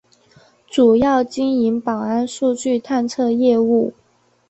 主要经营保安数据探测业务。